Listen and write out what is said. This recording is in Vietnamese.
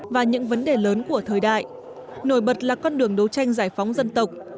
và những vấn đề lớn của thời đại nổi bật là con đường đấu tranh giải phóng dân tộc